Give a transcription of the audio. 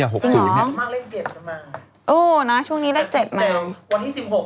จริงหรอโอ้นะช่วงนี้เลขเจ็ดมาก